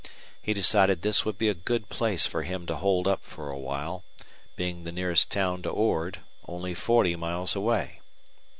He decided this would be a good place for him to hold up for a while, being the nearest town to Ord, only forty miles away.